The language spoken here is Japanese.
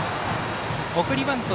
送りバント